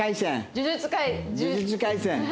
『呪術廻戦』。